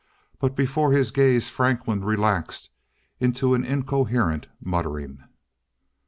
But before his gaze Franklin relaxed into an incoherent muttering.